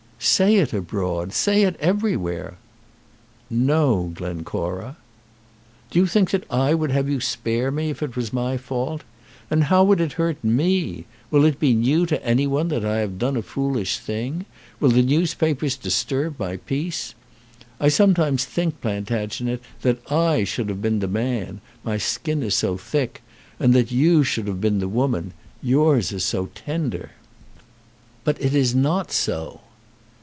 "Say it abroad. Say it everywhere." "No, Glencora." "Do you think that I would have you spare me if it was my fault? And how would it hurt me? Will it be new to any one that I have done a foolish thing? Will the newspapers disturb my peace? I sometimes think, Plantagenet, that I should have been the man, my skin is so thick; and that you should have been the woman, yours is so tender." "But it is not so."